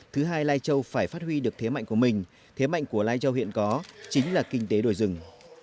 thứ hai lai châu phải phát huy được thế mạnh của mình thế mạnh của lai châu hiện có chính là kinh tế đồi rừng